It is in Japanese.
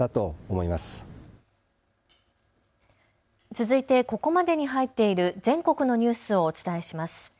続いてここまでに入っている全国のニュースをお伝えします。